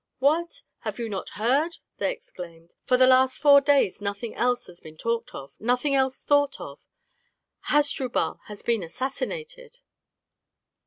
"What! have you not heard?" they exclaimed; "for the last four days nothing else has been talked of, nothing else thought of Hasdrubal has been assassinated!"